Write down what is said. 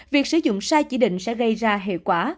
việc sử dụng sai chỉ định sẽ gây ra hệ quả